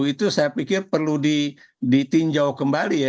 itu saya pikir perlu ditinjau kembali ya